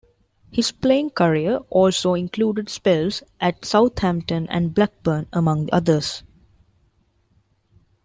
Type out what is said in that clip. His playing career also included spells at Southampton and Blackburn, among others.